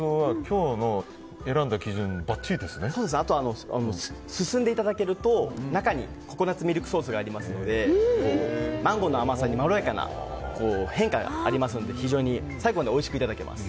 あとは進んでいただけると中にココナツミルクソースがありますのでマンゴーの甘さにまろやかな変化がありますので非常に最後までおいしくいただけます。